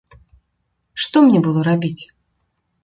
Што мне было рабіць?